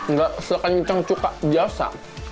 nggak sekencang cukar biasa